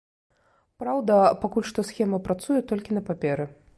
Праўда, пакуль што схема працуе толькі на паперы.